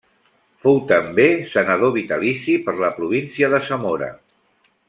Fou també senador vitalici per la província de Zamora.